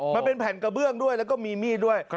มันเป็นแผ่นกระเบื้องด้วยแล้วก็มีมีดด้วย